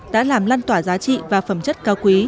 đã làm lan tỏa giá trị và phẩm chất cao quý